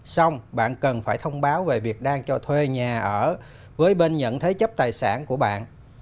xong bạn cần phải thông báo về việc đang cho thuê nhà ở với bên nhận thế chấp tài sản của bạn